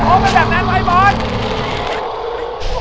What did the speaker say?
บอสบอสฮมากมากเลย